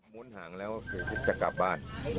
มุนห่างแล้วจะกลับบ้าน